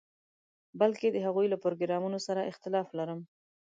بلکې د هغوی له پروګرامونو سره اختلاف لرم.